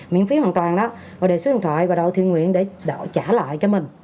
miễn phí hoàn toàn đó và đề số điện thoại và đạo thiên nguyện để trả lại cho mình